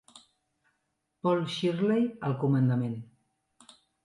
Paul Shirley al comandament.